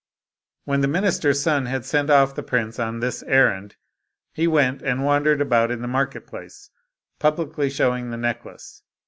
When the minister's son had sent off the prince on this errand, he went and wandered about in the market place, publicly showing the necklace.